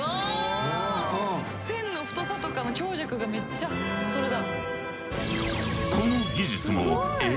線の太さとかの強弱がめっちゃそれだ。